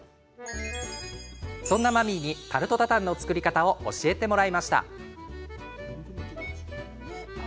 そんなマミーにタルト・タタンの作り方を教えてもらいました。